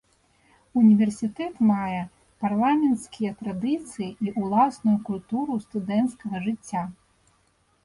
Універсітэт мае парламенцкія традыцыі і ўласную культуру студэнцкага жыцця.